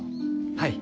はい。